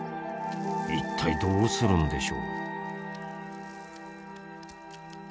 一体どうするんでしょう？